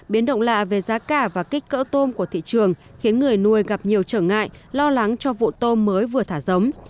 biến động lạ về giá cả và kích cỡ tôm của thị trường khiến người nuôi gặp nhiều trở ngại lo lắng cho vụ tôm mới vừa thả giống